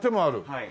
はい。